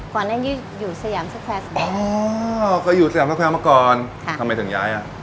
ก่อนหน้านี้อยู่สยามอ๋อเคยอยู่สยามมาก่อนค่ะทำไมถึงย้ายอ่ะ